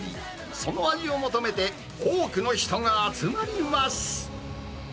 その味を求めて、多くの人が集まります。